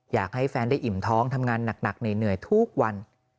อยากให้แฟนได้อิ่มท้องทำงานหนักเหนื่อยทุกวัน